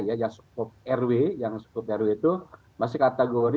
yang cukup rw yang cukup rw itu masih kategori